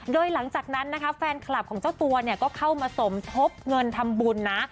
โดยหลังจากนั้นนะคะแฟนคลับของเจ้าตัวเนี่ยก็เข้ามาสมทบเงินทำบุญนะ